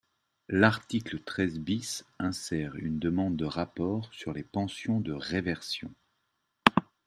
L’article treize bis insère une demande de rapport sur les pensions de réversion.